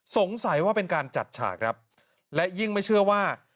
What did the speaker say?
สงสัยว่าเป็นการจัดฉากครับและยิ่งไม่เชื่อว่า